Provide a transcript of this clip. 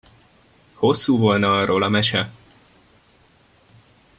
Hosszú volna arról a mese!